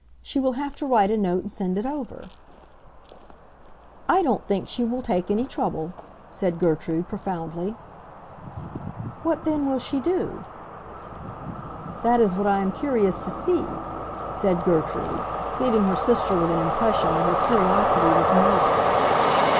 "She will have to write a note and send it over." "I don't think she will take any trouble," said Gertrude, profoundly. "What then will she do?" "That is what I am curious to see," said Gertrude, leaving her sister with an impression that her curiosity was morbid.